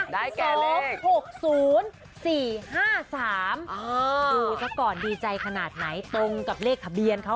ดูสักก่อนดีใจขนาดไหนตรงกับเลขคะเบียนเขา